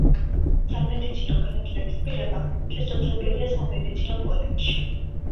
სამედიცინო განათლების მიღება შესაძლებელია სამედიცინო კოლეჯში.